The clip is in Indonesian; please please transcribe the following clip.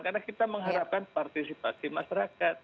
karena kita mengharapkan partisipasi masyarakat